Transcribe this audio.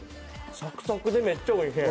サクサクでめっちゃおいしい！